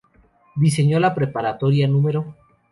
Diseñó la Preparatoria no.